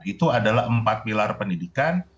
itu adalah empat pilar pendidikan